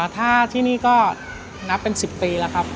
ถ้าที่นี่ก็นับเป็น๑๐ปีแล้วครับ